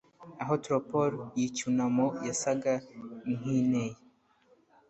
Aho torpor yicyunamo yasaga nkinteye